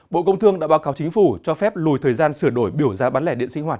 bộ công thương đã báo cáo chính phủ cho phép lùi thời gian sửa đổi biểu giá bán lẻ điện sinh hoạt